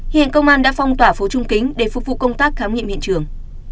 hiện công an đã phong tỏa phố trung kính để phục vụ công tác khám nghiệm hiện trường